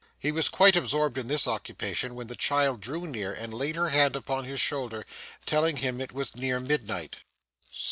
He was quite absorbed in this occupation, when the child drew near and laid her hand upon his shoulder, telling him it was near midnight.